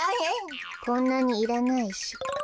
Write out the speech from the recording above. こんなにいらないし。